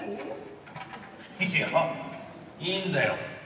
いやいいんだよ。